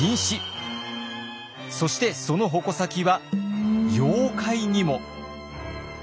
そしてその矛先は妖怪にも。